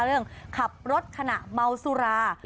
เรื่องขับรถขณะเมาสุรา